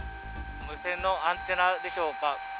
無線のアンテナでしょうか。